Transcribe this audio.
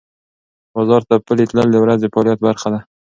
بازار ته پلي تلل د ورځې فعالیت برخه ده.